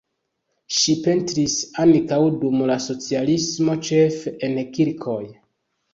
Ŝi pentris ankaŭ dum la socialismo ĉefe en kirkoj.